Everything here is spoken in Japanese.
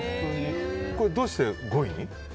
これ、どうして５位に？